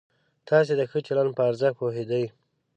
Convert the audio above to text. تاسې د ښه چلند په ارزښت پوهېدئ؟